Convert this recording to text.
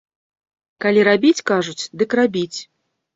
Калі рабіць, кажуць, дык рабіць.